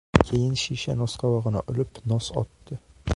— Keyin shisha nosqovog‘ini olib, nos otdi.